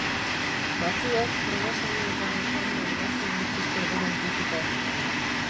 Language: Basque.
Batzuek probasaioetara joanda idazten dituzte beren kritikak.